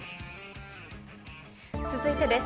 続いてです。